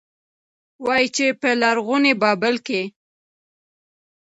وايي، چې په لرغوني بابل کې